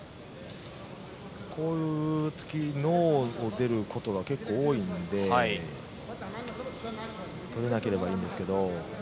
こういう突きの出ることが結構多いので取れなければいいんですけど。